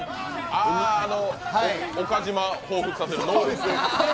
あの、岡島をほうふつさせる。